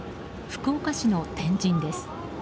福岡市の天神です。